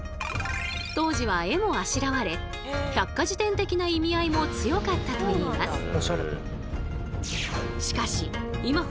当時は絵もあしらわれ百科事典的な意味合いも強かったといいます。